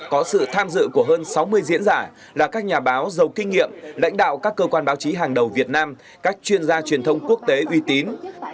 có sự tham dự của hơn sáu mươi diễn giả là các nhà báo giàu kinh nghiệm lãnh đạo các cơ quan báo chí hàng đầu việt nam các chuyên gia truyền thông quốc tế uy tín